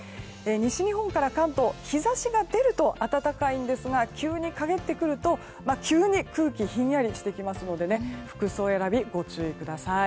西日本から関東、日差しが出ると暖かいんですが急に陰ってくると急に空気がひんやりしますので服装選び、ご注意ください。